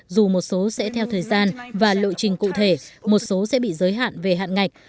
dù một số sẽ theo thời gian và lộ trình cụ thể một số sẽ bị giới hạn về hạn ngạch